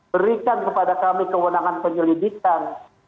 berikan kepada kami kewenangan penyelidikan